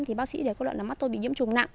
thì bác sĩ đã có đoạn là mắt tôi bị nhiễm trùng nặng